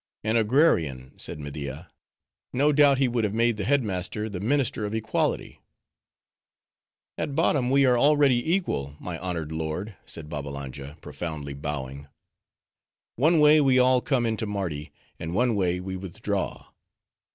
"An agrarian!" said Media; "no doubt he would have made the headsman the minister of equality." "At bottom we are already equal, my honored lord," said Babbalanja, profoundly bowing—"One way we all come into Mardi, and one way we withdraw.